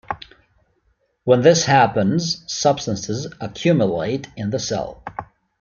When this happens, substances accumulate in the cell.